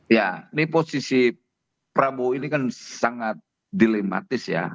ya ini posisi prabowo ini kan sangat dilematis ya